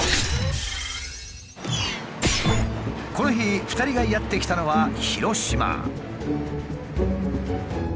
この日２人がやって来たのは広島。